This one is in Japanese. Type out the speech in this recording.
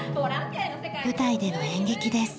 舞台での演劇です。